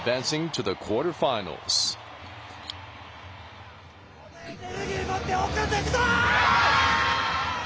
このエネルギー持っていくぞ！